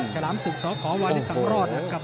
ฉลามศึกสขวาริสังรอดนะครับ